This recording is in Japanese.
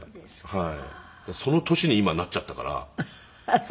はい。